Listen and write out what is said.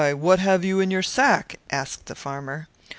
what have you got in your sack!" asked the farmer.